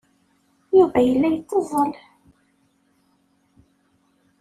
Yuba yella yetteẓẓel.